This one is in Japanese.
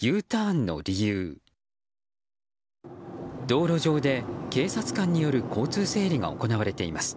道路上で警察官による交通整理が行われています。